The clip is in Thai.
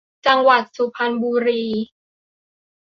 จังหวัดสุพรรณบุรี